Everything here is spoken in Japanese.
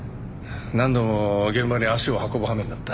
何度も現場に足を運ぶ羽目になった。